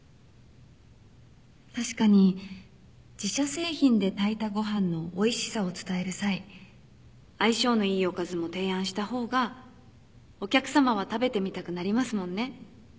確かに自社製品で炊いたご飯のおいしさを伝える際相性のいいおかずも提案した方がお客さまは食べてみたくなりますもんね